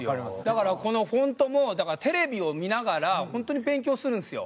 だからこのフォントもテレビを見ながら本当に勉強するんですよ。